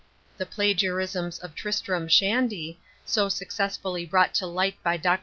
The plagiarisms of Tristram Shandy, so successfully brought to light by DR.